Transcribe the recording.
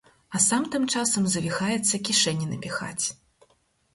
А сам тым часам завіхаецца кішэні напіхаць.